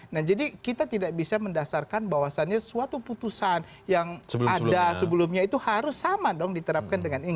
nah jadi kita tidak bisa mendasarkan bahwasannya suatu putusan yang ada sebelumnya itu harus sama dong diterapkan dengan ini